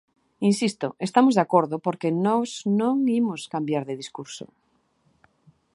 Insisto, estamos de acordo porque nós non imos cambiar de discurso.